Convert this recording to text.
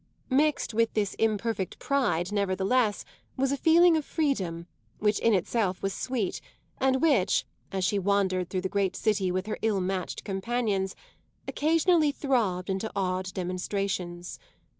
Mixed with this imperfect pride, nevertheless, was a feeling of freedom which in itself was sweet and which, as she wandered through the great city with her ill matched companions, occasionally throbbed into odd demonstrations.